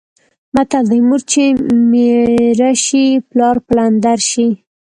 متل دی: مور چې میره شي پلار پلندر شي.